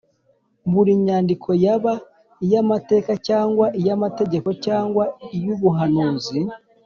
buri nyandiko, yaba iy’amateka, cyangwa iy’amategeko, cyangwa iy’ubuhanuzi